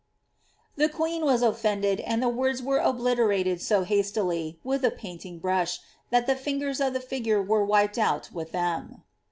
'' The queen was oflfended, and the words were obliterated so hastily, with a painting brush, tha^ the fingers of the figure were wiped out with them.